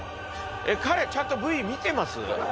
彼、ちゃんとＶ見てます？